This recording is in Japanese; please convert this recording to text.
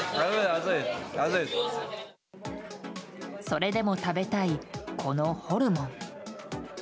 それでも食べたいこのホルモン。